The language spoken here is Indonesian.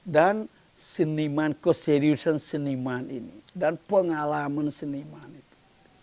dan keseriusan seniman ini dan pengalaman seniman itu